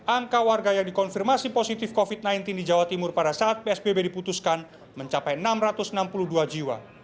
angka warga yang dikonfirmasi positif covid sembilan belas di jawa timur pada saat psbb diputuskan mencapai enam ratus enam puluh dua jiwa